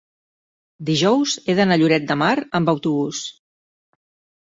dijous he d'anar a Lloret de Mar amb autobús.